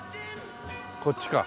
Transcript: こっちか？